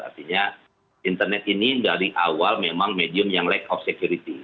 artinya internet ini dari awal memang medium yang lack off security